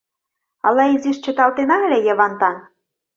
Ала изиш чыталтена ыле, Йыван таҥ?